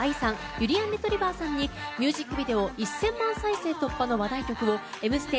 ゆりやんレトリィバァさんにミュージックビデオ１０００万再生の話題曲を「Ｍステ」